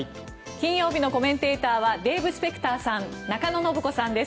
金曜日のコメンテーターはデーブ・スペクターさん中野信子さんです。